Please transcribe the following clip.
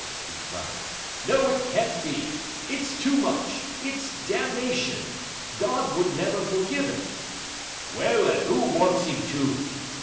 he cried. 'No! it can't be! It's too much; it's damnation. God would never forgive it.' 'Well, and 'oo wants Him to?'